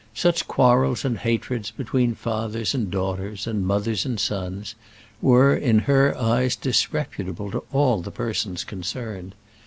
Such quarrels and hatreds between fathers and daughters, and mothers and sons, were in her eyes disreputable to all the persons concerned.